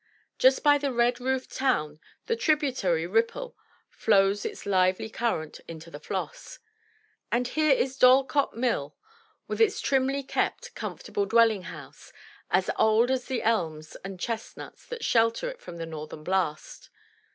Just by the red roofed town the tributary Ripple flows with a lively current into the Floss. And here is Dorlcote Mill with its trimly kept, comfortable dwelling house, as old as the elms and chestnuts that shelter it from the northern blast.